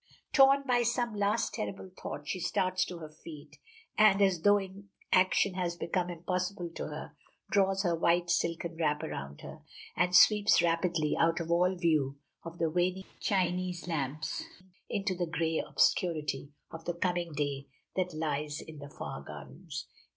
Torn by some last terrible thought she starts to her feet, and, as though inaction has become impossible to her, draws her white silken wrap around her, and sweeps rapidly out of all view of the waning Chinese lamps into the gray obscurity of the coming day that lies in the far gardens.